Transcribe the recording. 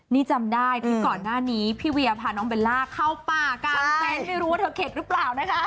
นี่จำได้ที่ก่อนหน้านี้พี่เวียพาน้องเบลล่าเข้าป่ากลางแฟนไม่รู้ว่าเธอเข็ดหรือเปล่านะคะ